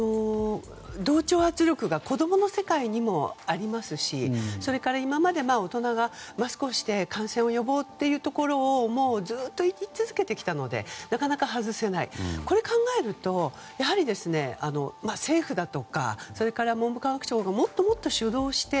同調圧力が子供の世界にもありますしそれから今まで、大人がマスクをして感染を予防っていうことをずっと言い続けてきたのでなかなか外せないこれを考えるとやはり政府だとかそれから、文部科学省がもっともっと主導して。